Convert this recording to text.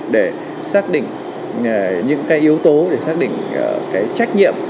để xác định những cái yếu tố để xác định cái trách nhiệm